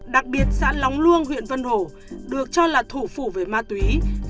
đặc biệt xã lóng luông huyện vân hổ được cho là nơi trốn truy nã